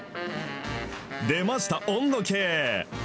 出ました、温度計。